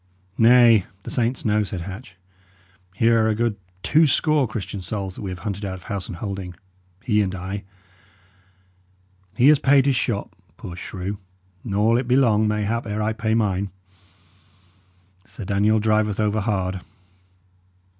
"Nay, the saints know," said Hatch. "Here are a good two score Christian souls that we have hunted out of house and holding, he and I. He has paid his shot, poor shrew, nor will it be long, mayhap, ere I pay mine. Sir Daniel driveth over hard."